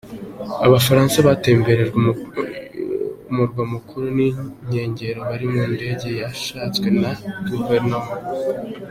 Aba bafaransa batemberejwe Umurwa Mukuru n’inkengero bari mu ndege yashatswe na guverinoma.